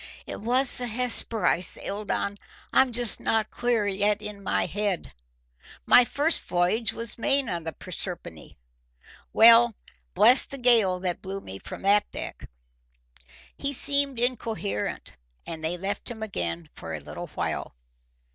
"It was the Hesper I sailed on. I'm not just clear yet in my head. My first voyage was made on the Proserpine. Well, bless the gale that blew me from that deck!" He seemed incoherent, and they left him again for a little while.